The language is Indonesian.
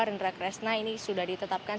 rendra kresna ini sudah ditetapkan